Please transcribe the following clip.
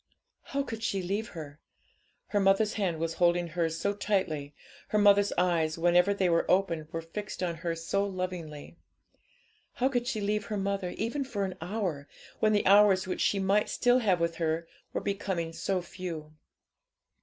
How could she leave her? Her mother's hand was holding hers so tightly, her mother's eyes, whenever they were opened, were fixed on her so lovingly. How could she leave her mother, even for an hour, when the hours which she might still have with her were becoming so few?